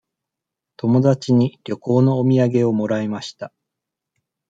友達に旅行のお土産をもらいました。